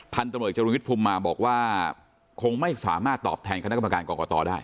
ตำรวจจรุวิทยภูมิมาบอกว่าคงไม่สามารถตอบแทนคณะกรรมการกรกตได้